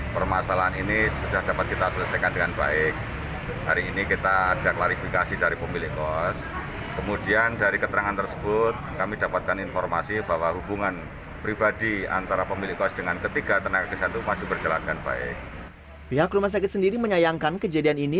pihak rumah sakit sendiri menyayangkan kejadian ini